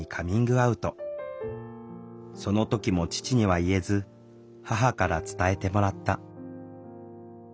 その時も父には言えず母から伝えてもらった。